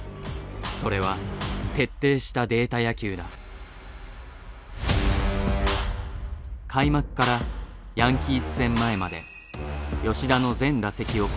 それは徹底した開幕からヤンキース戦前まで吉田の全打席をコース